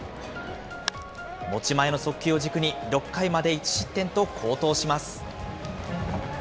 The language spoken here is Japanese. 持ち前の速球を軸に、６回まで１失点と好投します。